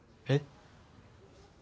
えっ？